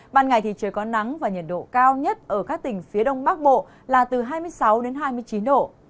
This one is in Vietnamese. ban ngày thì trời có nắng và nhiệt độ cao nhất ở các tỉnh phía đông bắc bộ là từ hai mươi sáu đến hai mươi chín độ